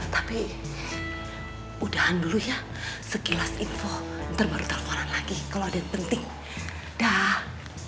tapi udahan dulu ya sekilas info ntar baru tawaran lagi kalau ada yang penting dah